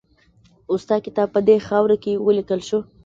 اوستا کتاب په دې خاوره کې ولیکل شو